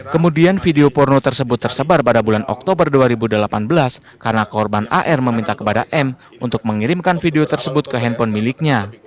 kemudian video porno tersebut tersebar pada bulan oktober dua ribu delapan belas karena korban ar meminta kepada m untuk mengirimkan video tersebut ke handphone miliknya